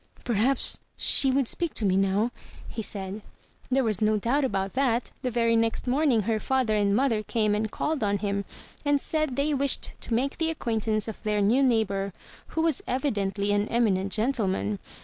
"Perhaps she would speak to me now," he said. There was no doubt about that. The very next morning her father and mother came and called on him, and said they wished to make the acquaintance of their new neighbor, who was evidently an eminent gentleman.